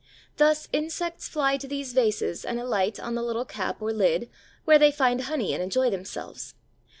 Thus insects fly to these vases and alight on the little cap or lid, where they find honey and enjoy themselves.